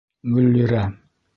Гөллирә